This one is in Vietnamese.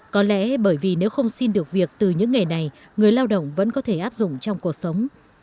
có lẽ bởi vì nếu không xin được việc từ những nghề này người lao động vẫn có thể áp dụng trong cuộc sống